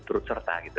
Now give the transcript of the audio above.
terus serta gitu